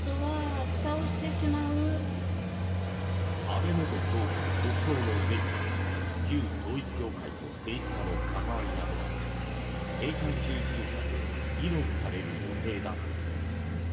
安倍元総理の国葬の是非や旧統一教会と政治家の関わりなどは閉会中審査で議論される予定だという。